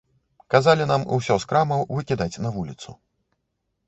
Казалі нам усё з крамаў выкідаць на вуліцу.